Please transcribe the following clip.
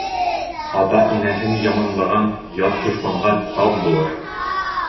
Ата-инәһен яманлаған ят дошманға тап булыр.